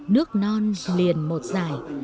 nước non liền một dải